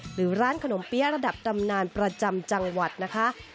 หรือร้านขนมเปี๊ยะระดับตำนานประจำจังหวัดนะคะ